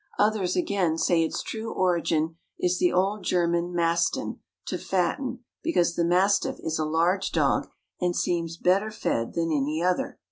Others, again, say its true origin is the old German masten, to fatten, because the mastiff is a large dog, and seems better fed than any other.